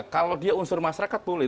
kalau dia unsur masyarakat boleh